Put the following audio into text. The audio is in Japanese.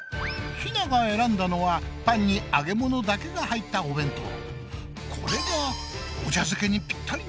ひなが選んだのはパンにあげものだけが入ったお弁当。